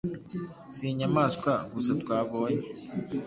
Si inyamaswa gusa twabonye